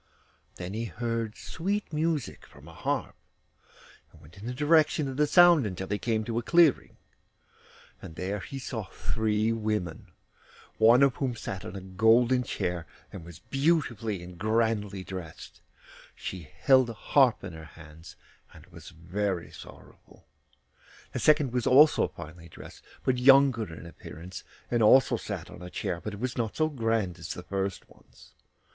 Then he heard sweet music from a harp, and went in the direction of the sound until he came to a clearing, and there he saw three women, one of whom sat on a golden chair, and was beautifully and grandly dressed; she held a harp in her hands, and was very sorrowful. The second was also finely dressed, but younger in appearance, and also sat on a chair, but it was not so grand as the first one's.